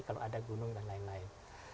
kalau ada gunung dan lain lain